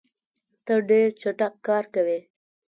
ته ډېر چټک کار کوې.